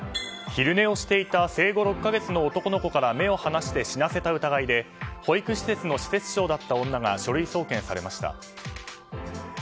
昼寝をしていた生後６か月の男の子から目を離して死なせた疑いで保育施設の施設長だった女が書類送検されました。